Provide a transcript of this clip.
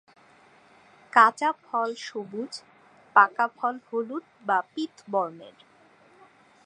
কাঁচা ফল সবুজ, পাকা ফল হলুদ বা পীত বর্ণের।